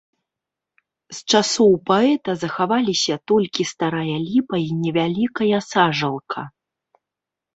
З часоў паэта захаваліся толькі старая ліпа і невялікая сажалка.